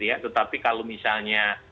yang kita punya